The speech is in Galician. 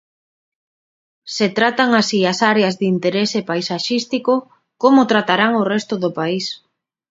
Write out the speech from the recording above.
¡Se tratan así as áreas de interese paisaxístico, como tratarán o resto do país!